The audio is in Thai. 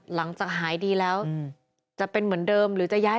หลังจากหายดีแล้วจะเป็นเหมือนเดิม